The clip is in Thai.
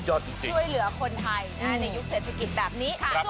ช่วยเหลือคนไทยในยุคเศรษฐกิจแบบนี้ค่ะ